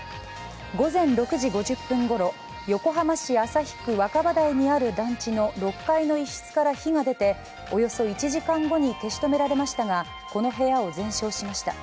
午前６時５０分ごろ横浜市旭区若葉台にある団地の６階の一室から火が出ておよそ１時間後に消し止められましたがこの部屋を全焼しました。